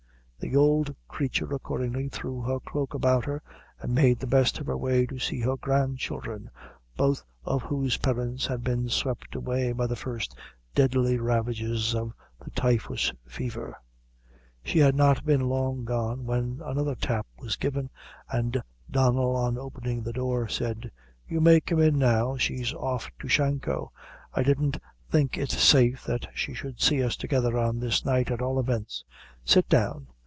The old creature accordingly threw her cloak about her, and made the best of her way to see her grandchildren, both of whose parents had been swept away by the first deadly ravages of the typhus fever. She had not been long gone, when another tap was given, and Donnel, on opening the door, said "You may come in now; she's off to Shanco. I didn't think it safe that she should see us together on this night, at all events. Sit down.